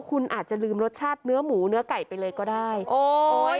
คุณอาจจะลืมรสชาติเนื้อหมูเนื้อไก่ไปเลยก็ได้โอ้ย